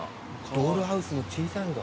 ドールハウスの小さいのだ。